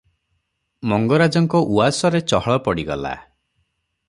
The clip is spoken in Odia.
ମଙ୍ଗରାଜଙ୍କ ଉଆସରେ ଚହଳ ପଡିଗଲା ।